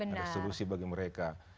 ada solusi bagi mereka